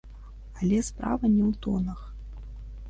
Але справа не ў тонах.